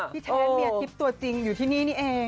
พี่ฉันมีอาทิตย์ตัวจริงอยู่ที่นี่นี่เอง